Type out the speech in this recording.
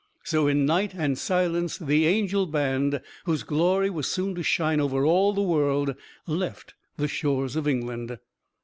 So, in night and silence, the "Angel Band" whose glory was soon to shine over all the world, left the shores of England.